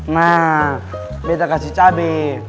nah betta kasih cabai